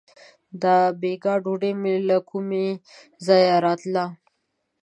• د بېګا ډوډۍ مې له کومه ځایه راتله.